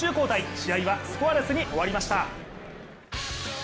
試合はスコアレスに終わりました。